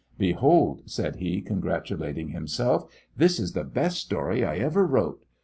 "Behold," said he, congratulating himself, "this is the best story I ever wrote!